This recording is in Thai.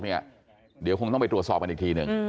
เดี๋ยวคงต้องไปตรวจสอบกันอีกทีหนึ่ง